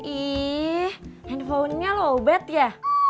ih handphonenya lowbat ya